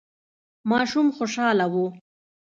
ماشوم خوشاله و.